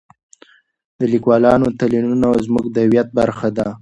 د لیکوالو تلینونه زموږ د هویت برخه ده.